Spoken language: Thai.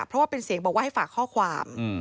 เพราะว่าเป็นเสียงบอกว่าให้ฝากข้อความ